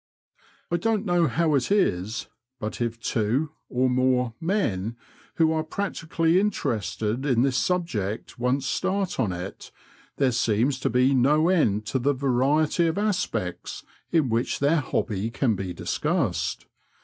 I don*t know how it is, but if two (or more) men who are practically interested in this subject once start on it, there seems to be no end to the variety of aspects in which their hobby can be discussed.